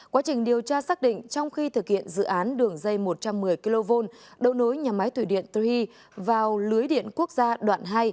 quá trình điều tra xác định trong khi thực hiện dự án đường dây một trăm một mươi kv đầu nối nhà máy thủy điện tư hy vào lưới điện quốc gia đoạn hai